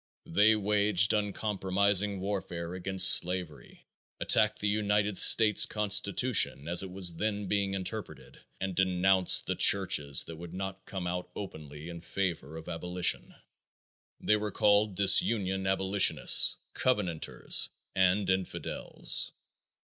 They waged uncompromising warfare against slavery, attacked the United States constitution as it was then being interpreted, and denounced the churches that would not come out openly in favor of abolition. They were called "Disunion Abolitionists," "Covenanters" and "Infidels."